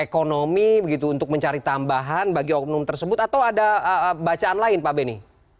ekonomi begitu untuk mencari tambahan bagi oknum tersebut atau ada bacaan lain pak beni